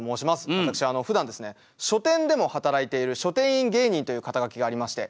私ふだんですね書店でも働いている「書店員芸人」という肩書がありまして。